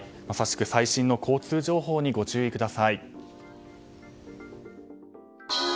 最新の交通情報にご注意ください。